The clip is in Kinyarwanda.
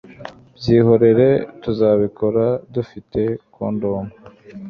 byihorere tuzabikora dufite condom